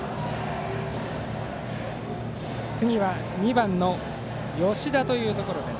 次は２番の吉田というところです。